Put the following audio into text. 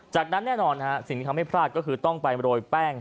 จากนั้นแน่นอนสิ่งที่ทำให้พลาดเป็นไปมาโระวิทย์แป้ง